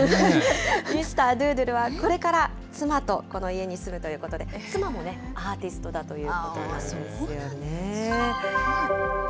ミスター・ドゥードゥルはこれから妻とこの家に住むということで、妻もね、アーティストだということなんですよね。